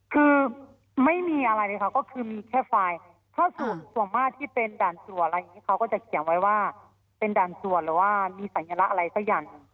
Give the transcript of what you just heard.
คือไม่มีอะไรเลยค่ะก็คือมีแค่ไฟล์ถ้าส่วนมากที่เป็นด่านส่วนอะไรอย่างนี้เขาก็จะเขียนไว้ว่าเป็นด่านส่วนหรือว่ามีสัญลักษณ์อะไรสักอย่าง